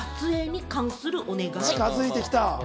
近づいてきた。